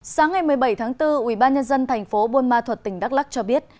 sáng ngày một mươi bảy tháng bốn ubnd tp buôn ma thuật tỉnh đắk lắc cho biết